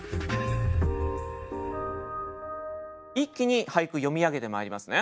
一気に俳句読み上げてまいりますね。